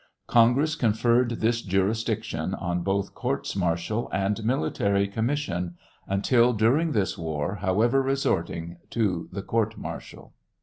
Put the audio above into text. Congress conferred this jurisdiction on both courts martial and military commis eion, until during this war, however, resorting to the court martial.